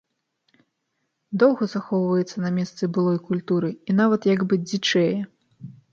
Доўга захоўваецца на месцы былой культуры і нават як бы дзічэе.